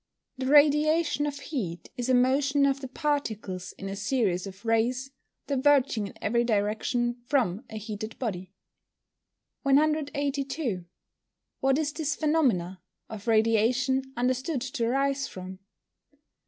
_ The radiation of heat is a motion of the particles, in a series of rays, diverging in every direction from a heated body. 182. _What is this phenomena of Radiation understood to arise from?